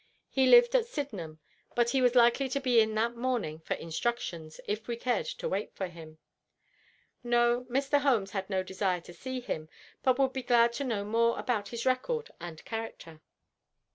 He lived at Sydenham, but he was likely to be in that morning for instructions, if we cared to wait for him. No; Mr. Holmes had no desire to see him, but would be glad to know more about his record and character.